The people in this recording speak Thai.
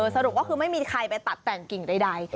สรุปก็คือไม่มีใครไปตัดแต่งกิ่งใด